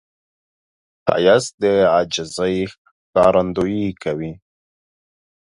ښایست د عاجزي ښکارندویي کوي